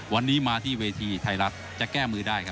วันนี้มาที่เวทีไทยรัฐจะแก้มือได้ครับ